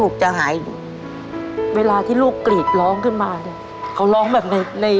คิดว่าลูกจะหาย